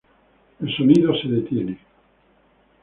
El sonido se detiene.